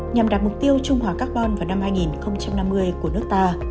nhằm đạt mục tiêu trung hòa carbon vào năm hai nghìn năm mươi của nước ta